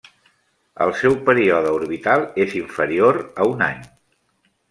El seu període orbital és inferior a un any.